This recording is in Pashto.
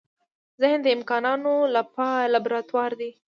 ذهن د امکانونو لابراتوار دی.